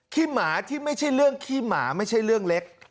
ขี้หมาที่ไม่ใช่เรื่องขี้หมาไม่ใช่เรื่องเล็ก